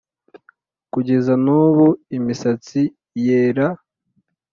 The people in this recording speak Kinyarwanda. kugeza n ' ubu imisatsi yera